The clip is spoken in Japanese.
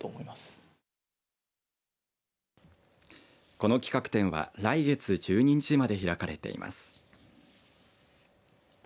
この企画展は来月１２日まで開かれています。